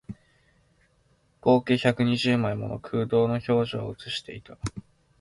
合計百二十枚もの空洞の表情を写していた